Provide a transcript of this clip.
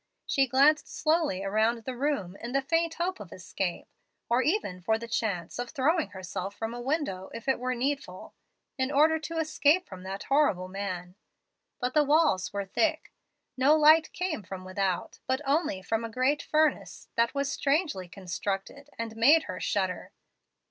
She glanced slowly around the room in the faint hope of escape, or even for the chance of throwing herself from a window, if it were needful, in order to escape from that horrible man. But the walls were thick. No light came from without, but only from a great furnace, that was Strangely constructed and made her shudder.